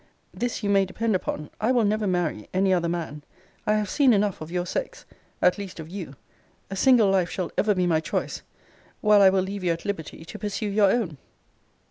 This you may depend upon: I will never marry any other man. I have seen enough of your sex; at least of you. A single life shall ever be my choice: while I will leave you at liberty to pursue your own.